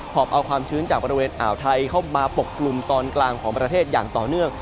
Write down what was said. อบเอาความชื้นจากบริเวณอ่าวไทยเข้ามาปกกลุ่มตอนกลางของประเทศอย่างต่อเนื่อง